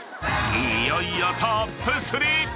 ［いよいよトップ３！］